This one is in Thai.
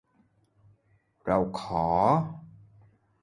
เราขอ